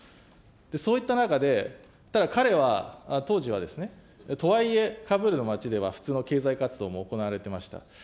そういった中で、ただ彼は当時は、とはいえ、カブールの街では普通の経済活動も行われていました。